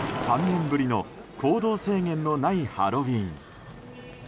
３年ぶりの行動制限のないハロウィーン。